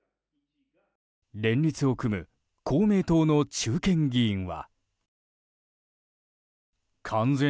連立を組む公明党の中堅議員は。